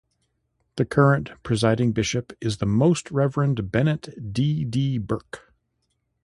The current Presiding Bishop is the Most Reverend Bennett D. D. Burke.